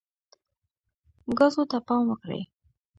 ګازو ته پام وکړئ.